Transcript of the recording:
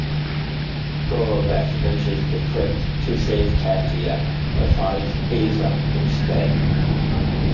Gorobec enters the crypt to save Katia but finds Asa instead.